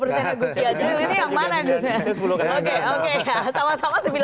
jadi ini yang mana negosia